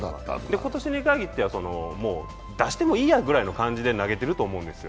今年に限っては、出してもいいやぐらいの感じで投げていると思うんですよ。